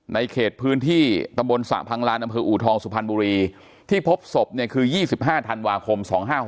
ในพื้นที่ตำบลสระพังลานอำเภออูทองสุพรรณบุรีที่พบศพเนี่ยคือ๒๕ธันวาคม๒๕๖๖